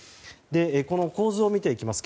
この構図を見ていきます。